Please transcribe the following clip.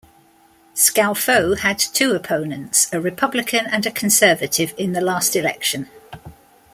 Skowfoe had two opponents, a Republican and a Conservative, in the last election.